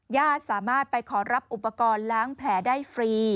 ญาติสามารถไปขอรับอุปกรณ์ล้างแผลได้ฟรี